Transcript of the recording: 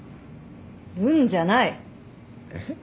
「うん」じゃない！えっ？